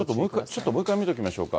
ちょっともう一回見ときましょうか。